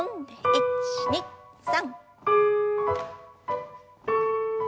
１２３。